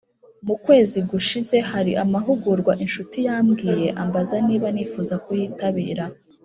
“mu kwezi gushize hari amahugurwa inshuti yambwiye ambaza niba nifuza kuyitabira.